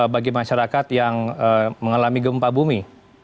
bagi masyarakat yang mengalami gempa bumi